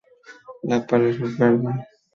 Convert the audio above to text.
La Palud-sur-Verdon